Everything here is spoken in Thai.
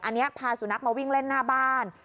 อันนี้พาสุนัขมาวิ่งเล่นหน้าบ้าน